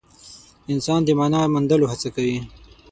انسان د مانا د موندلو هڅه کوي.